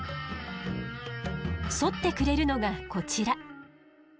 そってくれるのがこちら。